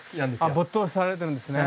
あ没頭されてるんですね。